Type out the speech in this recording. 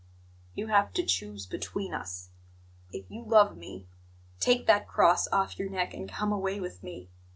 "You have to choose between us. If you love me, take that cross off your neck and come away with me.